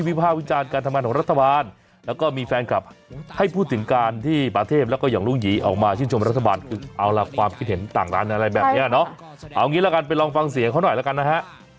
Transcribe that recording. ภาควิจารณ์การทำงานของรัฐบาลแล้วก็มีแฟนคลับให้พูดถึงการที่ปาเทพแล้วก็อย่างลุงหยีออกมาชื่นชมรัฐบาลคือเอาล่ะความคิดเห็นต่างร้านอะไรแบบนี้เนาะเอางี้ละกันไปลองฟังเสียงเขาหน่อยแล้วกันนะฮะ